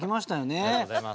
おめでとうございます。